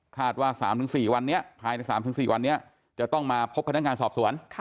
คาดว่า๓๔วันเนี้ยภายใน๓๔วันเนี้ยจะต้องมาพบคณะการสอบสวน